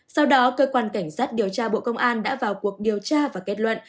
sau đó cơ quan cảnh sát điều tra bộ công an đã vào cuộc điều tra và kết luận